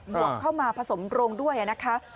วกเข้ามาผสมโรงด้วยนะคะ